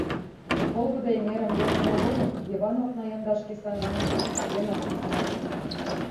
Волгыдо эҥерым вончымо годым Йыван окна яндашке саҥгам тушкалтенак кӱтыштӧ.